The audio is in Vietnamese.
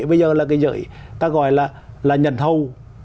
bây giờ là cái giới ta gọi là nhận thâu